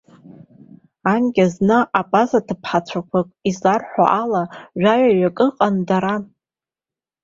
Анкьа зны абаза тыԥҳацәақәак, изларҳәо ала, жәаҩаҩык ыҟан дара.